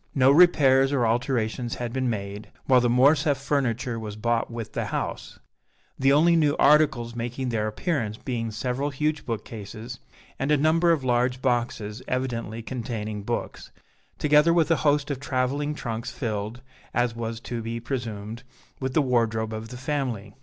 No repairs or alterations had been made, while the Morcerf furniture was bought with the house, the only new articles making their appearance being several huge bookcases and a number of large boxes evidently containing books, together with a host of traveling trunks filled, as was to be presumed, with the wardrobe of the family.